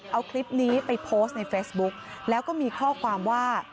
เอาคลิปนี้ไปโพสต์ในเฟซบุ๊กแล้วก็มีข้อความว่า